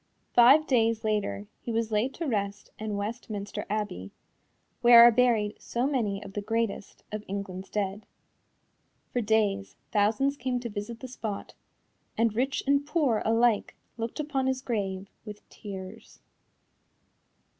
Five days later he was laid to rest in Westminster Abbey, where are buried so many of the greatest of England's dead. For days, thousands came to visit the spot, and rich and poor alike looked upon his grave with tears.